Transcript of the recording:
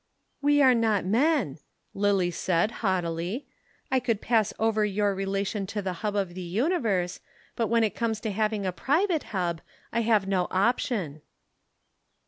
"We are not men," Lillie said haughtily. "I could pass over your relation to the hub of the universe, but when it comes to having a private hub I have no option."